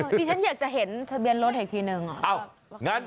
ดิฉันอยากจะเห็นทะเบียนรถอีกทีนึง